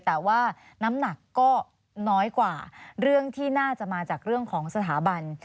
แต่ว่าน้ำหนักก็น้อยกว่าเรื่องที่น่าจะมาจากเรื่องของสถาบัน